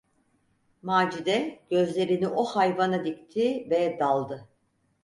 Macide gözlerini o hayvana dikti ve daldı.